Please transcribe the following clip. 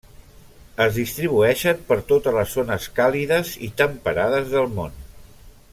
Es distribueixen per totes les zones càlides i temperades del món.